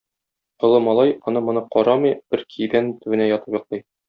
Олы малай, аны-моны карамый, бер кибән төбенә ятып йоклый.